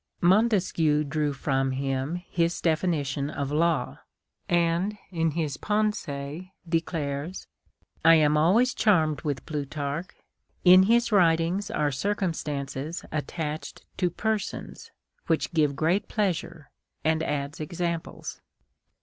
Montesquieu drew from him his definition of law, and, in his Pensees, declares, " I am always charmed with Plutarch ; in his writings are circumstances attached to persons, which give great pleasure ;" and adds examples.